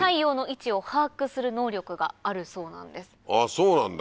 そうなんだ